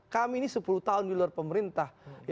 kami ini sepuluh tahun di luar pemerintah